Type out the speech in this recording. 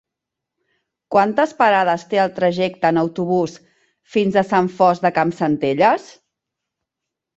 Quantes parades té el trajecte en autobús fins a Sant Fost de Campsentelles?